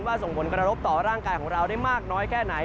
ส่งผลกระทบต่อร่างกายของเราได้มากน้อยแค่ไหน